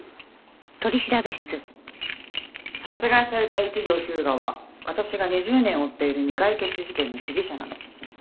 殺害された一条彪牙は私が２０年追っている未解決事件の被疑者なの。